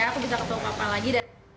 aku bisa ketemu papa lagi